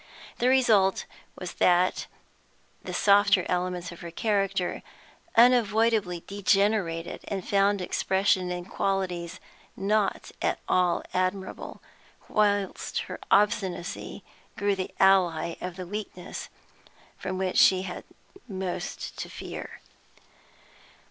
The result was that the softer elements of her character unavoidably degenerated and found expression in qualities not at all admirable, whilst her obstinacy grew the ally of the weakness from which she had most to fear.